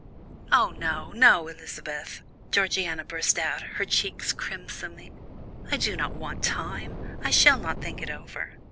"Oh, no, no, Elizabeth," Georgiana burst out, her cheeks crimsoning, "I do not want time I shall not think it over.